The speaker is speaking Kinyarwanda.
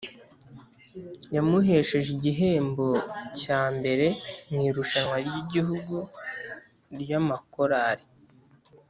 yamuhesheje igihembo cya mbere mu irushanwa ry'igihugu ry'amakorali